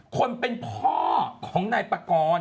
คนเป็นพ่อของนายปากร